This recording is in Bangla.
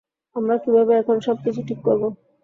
আমরা কীভাবে এখন সবকিছু ঠিক করব?